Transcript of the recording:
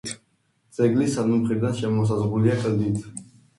ძეგლი სამი მხრიდან შემოსაზღვრულია კლდით.